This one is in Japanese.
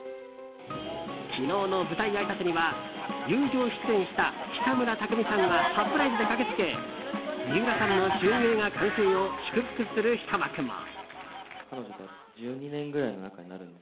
昨日の舞台あいさつには友情出演した北村匠海さんがサプライズで駆けつけ三浦さんの主演映画完成を祝福するひと幕も。